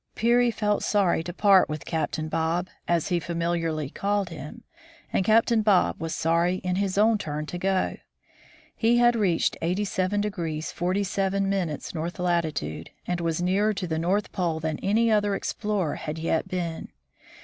Peary felt sorry to part with Captain Bob, as he famil iarly called him, and Captain Bob was sorry in his turn to go. He had reached 8y° 47' north latitude, and was nearer to the North Pole than any other explorer had yet been.